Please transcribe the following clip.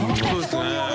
そうですね。